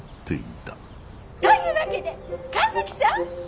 というわけで神崎さん！